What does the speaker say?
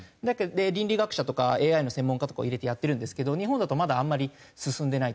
倫理学者とかＡＩの専門家とかを入れてやってるんですけど日本だとまだあんまり進んでない。